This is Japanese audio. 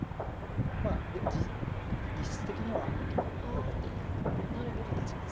実質的には残っていない形です。